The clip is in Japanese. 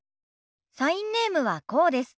サインネームはこうです。